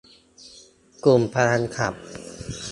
กลุ่มพลังคลับ